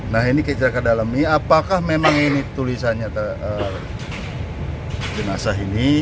nah ini kecelakaan dalam apakah tulisannya benasa ini